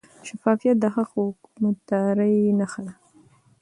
شفافیت د ښه حکومتدارۍ نښه ده.